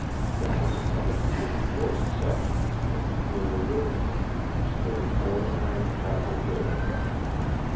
Down in one of the city's worst sections and near the river front there stood an old ramshackle building.